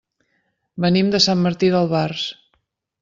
Venim de Sant Martí d'Albars.